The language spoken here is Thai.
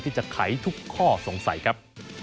ที่จะไขทุกข้อสงสัยครับ